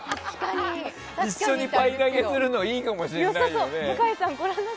一緒にパイ投げするのいいかもしれないよね。